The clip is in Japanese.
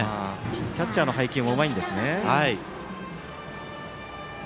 キャッチャーの配球もうまいんですね。